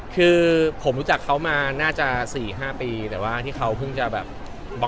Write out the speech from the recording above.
คือผมรู้จักเขามาน่าจะ๔๕ปีแต่ว่าที่เขาเพิ่งจะแบบ